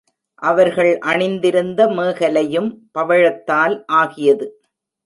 அவர்கள் அணிந்திருந்த மேகலையும் பவழத்தால் ஆகியது.